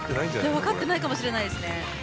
わかってないかもしれないですね。